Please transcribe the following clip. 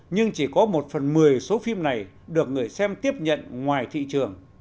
nhưng chỉ có một phần một mươi số phim này được người xem tiếp nhận ngoài thị trường